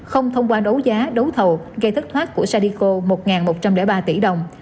không thông qua đấu giá đấu thầu gây thất thoát của sadico một một trăm linh ba tỷ đồng